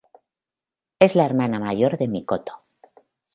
Es la hermana mayor de Mikoto.